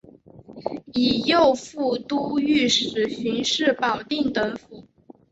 以右副都御史巡视保定等府。